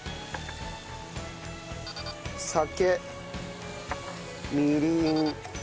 酒みりん。